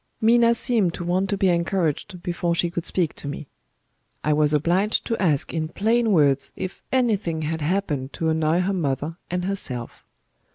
Minna seemed to want to be encouraged before she could speak to me. I was obliged to ask in plain words if anything had happened to annoy her mother and herself.